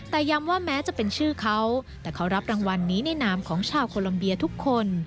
แต่ย้ำว่าแม้จะเป็นชื่อเขาแต่เขารับรางวัลนี้ในนามของชาวโคลัมเบียทุกคน